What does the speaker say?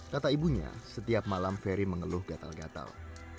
kata ibunya setiap malam ferry mengeluh gatal gatal